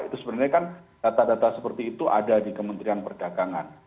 karena data data seperti itu ada di kementerian perdagangan